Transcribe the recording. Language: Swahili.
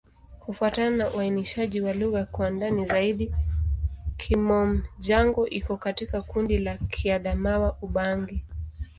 Kufuatana na uainishaji wa lugha kwa ndani zaidi, Kimom-Jango iko katika kundi la Kiadamawa-Ubangi.